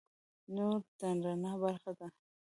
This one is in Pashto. نور د رڼا برخه ده.